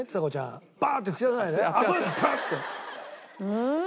うん！